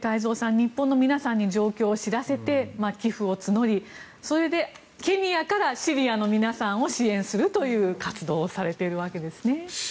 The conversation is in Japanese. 日本の皆さんに状況を知らせて寄付を募りそれでケニアからシリアの皆さんを支援するという活動をされているわけですね。